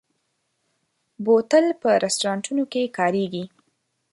بوتل په رستورانتونو کې کارېږي.